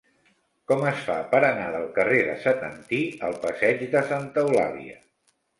Com es fa per anar del carrer de Setantí al passeig de Santa Eulàlia?